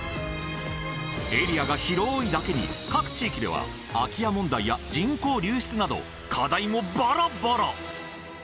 エリアが広いだけに各地域では空き家問題や人口流出など課題もバラバラ！